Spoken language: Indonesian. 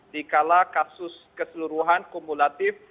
dikala kasus keseluruhan kumulatif